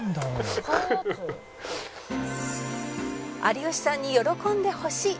「有吉さんに喜んでほしい。